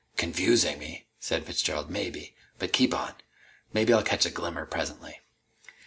"Confusing me," said Fitzgerald, "maybe. But keep on. Maybe I'll catch a glimmer presently."